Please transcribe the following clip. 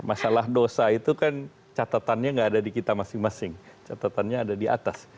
masalah dosa itu kan catatannya nggak ada di kita masing masing catatannya ada di atas